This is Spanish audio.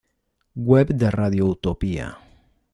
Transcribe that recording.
Web de Radio Utopía